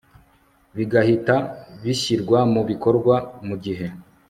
bigahita bishyirwa mu bikorwa mu gihe